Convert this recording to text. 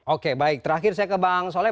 oke baik terakhir saya ke bang soleh